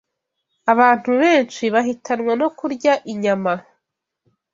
Abantu benshi bahitanwa no kurya inyama